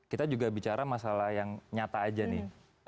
kita juga bicara masalah yang nyata aja nih